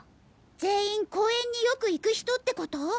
全員公園によく行く人ってこと？